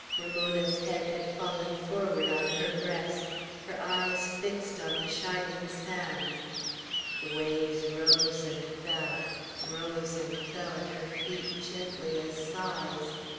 Ramona's head had fallen forward on her breast, her eyes fixed on the shining sands; the waves rose and fell, rose and fell, at her feet gently as sighs.